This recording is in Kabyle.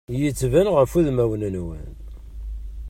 Yettban ɣef udmawen-nwen.